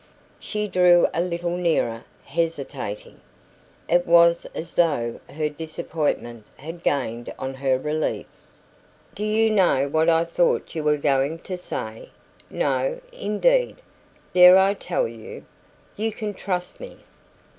She drew a little nearer, hesitating. It was as though her disappointment had gained on her relief. "Do you know what I thought you were going to say?" "No, indeed." "Dare I tell you?" "You can trust me."